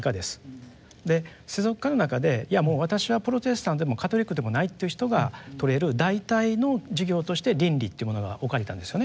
世俗化の中でいやもう私はプロテスタントでもカトリックでもないっていう人がとれる代替の授業として倫理っていうものが置かれたんですよね。